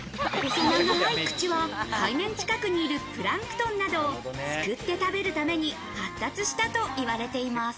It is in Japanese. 細長い口は海面近くにいるプランクトンなどをすくって食べるために発達したといわれています。